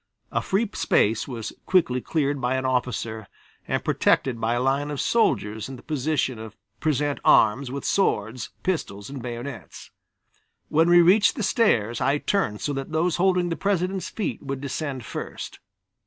A free space was quickly cleared by an officer and protected by a line of soldiers in the position of present arms with swords, pistols and bayonets. When we reached the stairs, I turned so that those holding the President's feet would descend first.